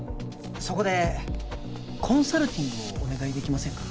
そこでコンサルティングをお願いできませんか？